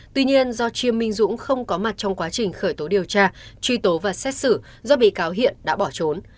tuy nhiên do chiêm minh dũng không có mặt trong quá trình khởi tố điều tra truy tố và xét xử do bị cáo hiện đã bỏ trốn